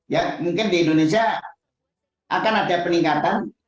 ya mungkin di indonesia akan ada peningkatan